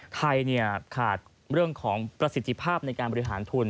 ไทยขาดเรื่องของประสิทธิภาพในการบริหารทุน